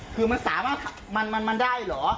คือมันได้หรอ